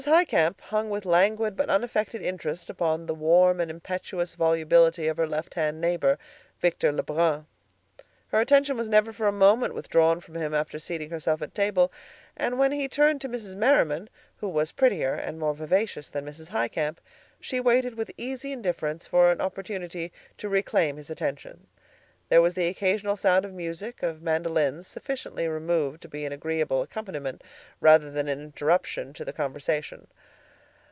Highcamp hung with languid but unaffected interest upon the warm and impetuous volubility of her left hand neighbor, Victor Lebrun. Her attention was never for a moment withdrawn from him after seating herself at table; and when he turned to Mrs. Merriman, who was prettier and more vivacious than Mrs. Highcamp, she waited with easy indifference for an opportunity to reclaim his attention. There was the occasional sound of music, of mandolins, sufficiently removed to be an agreeable accompaniment rather than an interruption to the conversation.